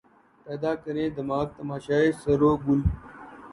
پیدا کریں دماغ تماشائے سَرو و گل